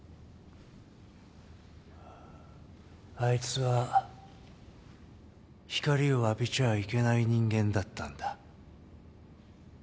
あいつは光を浴びちゃいけない人間だったんだ。